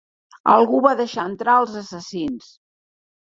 Algú va deixar entrar els assassins.